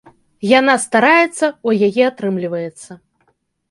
Яна стараецца, у яе атрымліваецца.